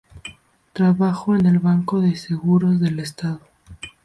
Trabajó en el Banco de Seguros del Estado.